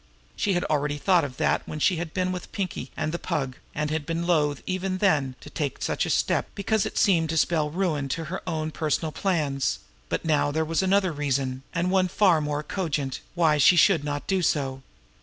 She had already thought of that when she had been with Pinkie and the Pug, and had been loath even then to take such a step because it seemed to spell ruin to her own personal plans; but now there was another reason, and one far more cogent, why she should not do so.